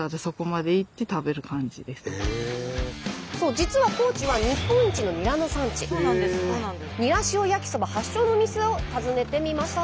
実は高知はニラ塩焼きそば発祥のお店を訪ねてみました。